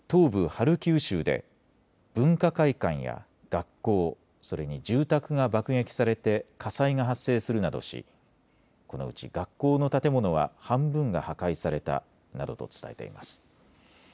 ハルキウ州で文化会館や学校、それに住宅が爆撃されて火災が発生するなどしこのうち学校の建物は半分が破壊されたなどと伝えています。